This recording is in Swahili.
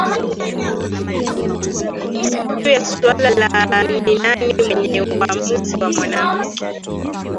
Juu ya suala la ni nani mwenye uwamuzi wa mwanamke